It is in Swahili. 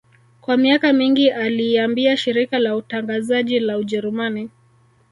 Kwa miaka mingi aliiambia shirika la utangazaji la Ujerumani